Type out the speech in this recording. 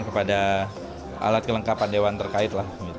kepada alat kelengkapan dewan terkait lah